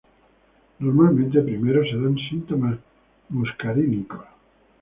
Normalmente, primero se dan síntomas muscarínicos.